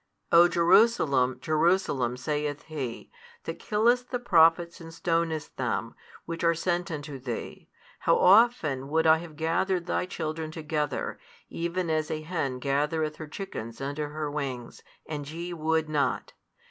O Jerusalem, Jerusalem, saith He, that killest the prophets and stonest them, which are sent unto thee, how often would I have gathered thy children together, even as a hen gathereth her chickens under her wings, and ye would not!